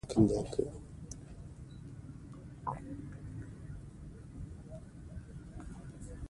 سود د زړه سکون ختموي.